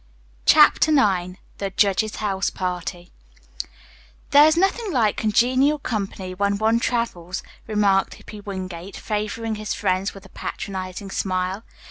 CHAPTER IX THE JUDGE'S HOUSE PARTY "There is nothing like congenial company when one travels," remarked Hippy Wingate, favoring his friends with a patronizing smile.